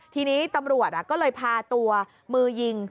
ทีนี้ตำรวจก็เลยพาตัวมือยิง